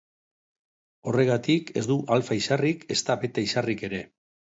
Horregatik, ez du alfa izarrik, ezta beta izarrik ere.